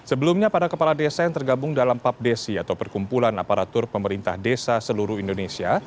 sebelumnya para kepala desa yang tergabung dalam papdesi atau perkumpulan aparatur pemerintah desa seluruh indonesia